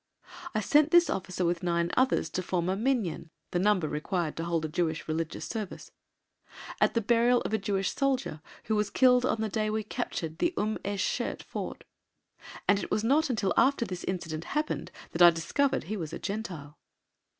I sent this officer with nine others to form a "Minyan" (the number required to hold a Jewish religious service) at the burial of a Jewish soldier who was killed on the day we captured the Umm esh Shert Ford, and it was not until after this incident happened that I discovered he was a Gentile.